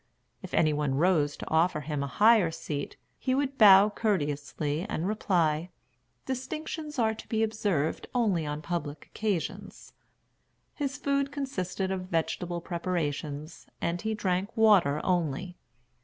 If any one rose to offer him a higher seat, he would bow courteously, and reply, "Distinctions are to be observed only on public occasions." His food consisted of vegetable preparations, and he drank water only.